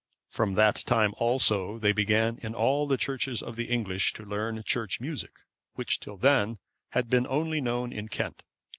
From that time also they began in all the churches of the English to learn Church music, which till then had been only known in Kent.